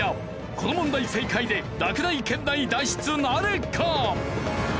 この問題正解で落第圏内脱出なるか？